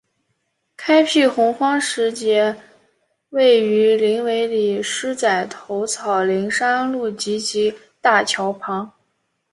开辟鸿荒石碣位于林尾里狮仔头草岭山路集集大桥旁。